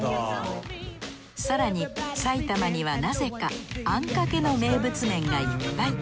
更にさいたまにはなぜかあんかけの名物麺がいっぱい。